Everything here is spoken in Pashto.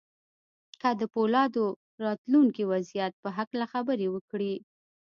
هغه د پولادو د راتلونکي وضعيت په هکله خبرې وکړې.